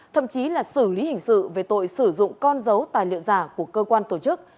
thậm chí là xử lý hình sự về tội sử dụng con dấu tài liệu giả của cơ quan tổ chức